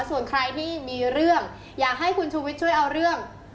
ส่วนใครที่มีเรื่องอยากให้คุณชูวิทย์ช่วยเอาเรื่อง